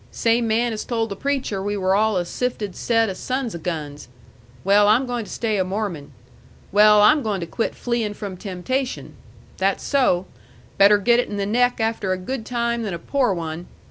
"Same man as told the preacher we were all a sifted set of sons of guns." "Well, I'm going to stay a Mormon." "Well, I'm going to quit fleeing from temptation." "that's so! Better get it in the neck after a good time than a poor one."